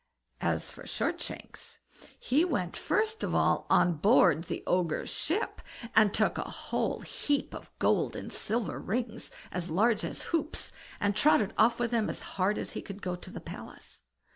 As for Shortshanks, he went first of all on board the Ogre's ship, and took a whole heap of gold and silver rings, as large as hoops, and trotted off with them as hard as he could to the palace.